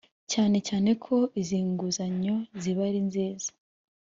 cyane cyane ko izi nguzanyo ziba ari nziza